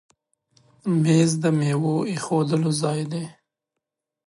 مېز د میوو ایښودلو ځای دی.